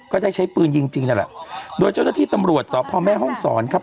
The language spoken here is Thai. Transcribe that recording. ก็ได้ใช้ปืนยิงจริงนั่นแหละโดยเจ้าหน้าที่ตำรวจสพแม่ห้องศรครับ